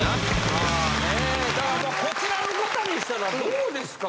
まあねだからまあこちらの方にしたらどうですか。